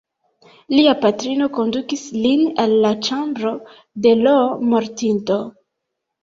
Lia patrino kondukis lin al la ĉambro de l' mortinto.